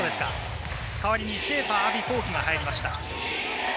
代わりにシェーファー・アヴィ幸樹が入りました。